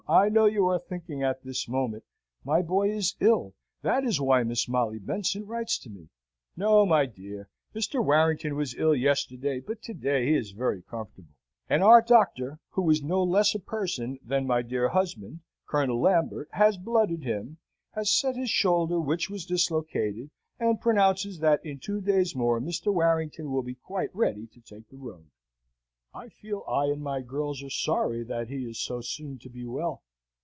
I know you are thinking at this moment, 'My boy is ill. That is why Miss Molly Benson writes to me.' No, my dear; Mr. Warrington was ill yesterday, but to day he is very comfortable; and our doctor, who is no less a person than my dear husband, Colonel Lambert, has blooded him, has set his shoulder, which was dislocated, and pronounces that in two days more Mr. Warrington will be quite ready to take the road. "I fear I and my girls are sorry that he is so soon to be well.